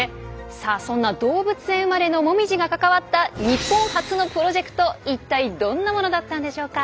さあそんな動物園生まれのもみじが関わった日本初のプロジェクト一体どんなものだったんでしょうか？